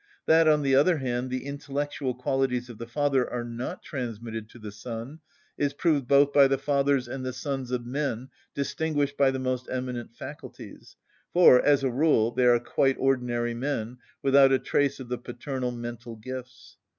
That, on the other hand, the intellectual qualities of the father are not transmitted to the son is proved both by the fathers and the sons of men distinguished by the most eminent faculties, for, as a rule, they are quite ordinary men, without a trace of the paternal mental gifts.